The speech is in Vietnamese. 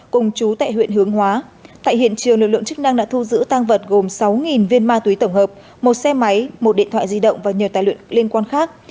cùng chú tại huyện hướng hóa tại hiện trường lực lượng chức năng đã thu giữ tăng vật gồm sáu viên ma túy tổng hợp một xe máy một điện thoại di động và nhiều tài luyện liên quan khác